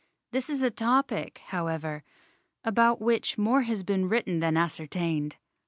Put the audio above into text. This is a topic, however, about which more has been written than ascertained.